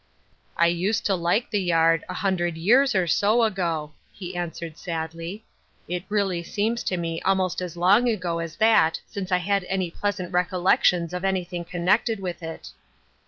" I used to like the yard, a hundred years oi BO ago," he answered sadly. " It really seema to me almost as long ago as that since I had any pleasant recollections of anything connected with it."